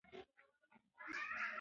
زوی یې بیک په اوږه کړ او روان شو.